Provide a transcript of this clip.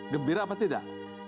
gebir apa tidak